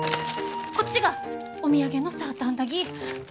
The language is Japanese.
こっちがお土産のサーターアンダギー。